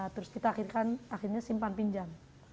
terus kita akhirnya simpan pinjam